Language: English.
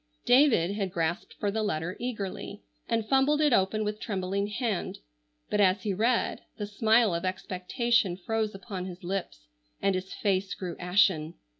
David had grasped for the letter eagerly, and fumbled it open with trembling hand, but as he read, the smile of expectation froze upon his lips and his face grew ashen.